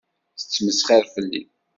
Tettmesxiṛ fell-i.